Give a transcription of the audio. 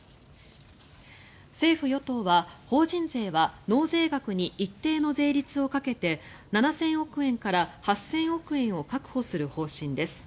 政府・与党は法人税は納税額に一定の税率をかけて７０００億円から８０００億円を確保する方針です。